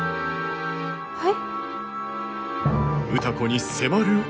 はい？